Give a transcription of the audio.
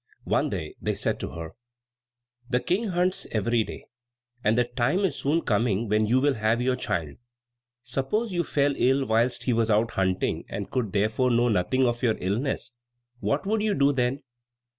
One day they said to her, "The King hunts every day; and the time is soon coming when you will have your child. Suppose you fell ill whilst he was out hunting and could therefore know nothing of your illness, what would you do then?"